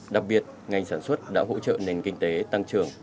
đặc biệt ngành sản xuất đã hỗ trợ nền kinh tế tăng trưởng